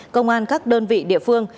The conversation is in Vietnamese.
công an các đơn vị địa phương